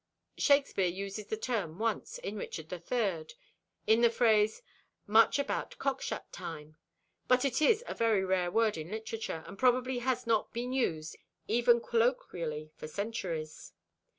Shakespeare uses the term once, in Richard III., in the phrase, "Much about cockshut time," but it is a very rare word in literature, and probably has not been used, even colloquially, for centuries.